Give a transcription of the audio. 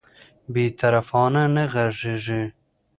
بې طرفانه نه غږیږي